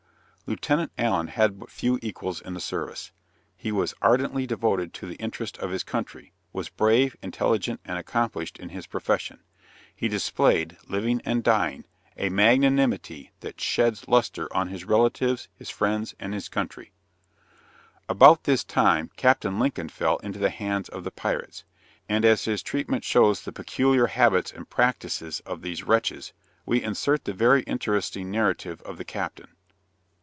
Lieutenant Allen had but few equals in the service. He was ardently devoted to the interest of his country, was brave, intelligent, and accomplished in his profession. He displayed, living and dying, a magnanimity that sheds lustre on his relatives, his friends, and his country. [Illustration: Horrid Piracy and Murder by a Mexican "privateer."] About this time Captain Lincoln fell into the hands of the pirates, and as his treatment shows the peculiar habits and practices of these wretches, we insert the very interesting narrative of the captain.